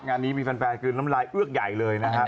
งานนี้มีแฟนคือน้ำลายเอือกใหญ่เลยนะฮะ